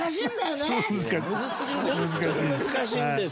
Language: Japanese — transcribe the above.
難しいです。